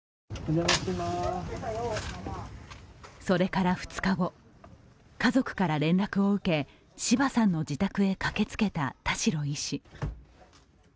それから２日後、家族から連絡を受け柴さんの自宅へ駆けつけた田代医師。